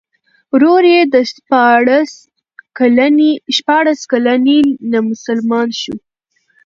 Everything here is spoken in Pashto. ورور یې د شپاړس کلنۍ نه مسلمان شو.